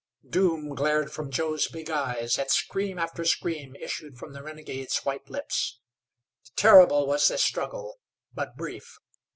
Doom glared from Joe's big eyes, and scream after scream issued from the renegade's white lips. Terrible was this struggle, but brief.